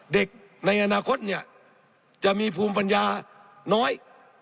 เด็กในอนาคตจะมีภูมิปัญญาน้อย